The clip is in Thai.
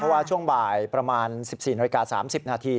ว่าช่วงบ่ายประมาณ๑๔นาฬิกา๓๐นาที